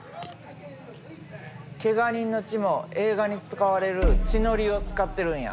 けが人の血も映画に使われる血のりを使ってるんや。